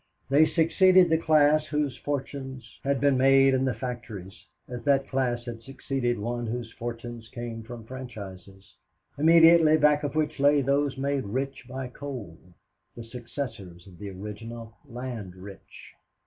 They succeeded the class whose fortunes had been made in the factories, as that class had succeeded one whose fortunes came from franchises; immediately back of which lay those made rich by coal, the successors of the original land rich.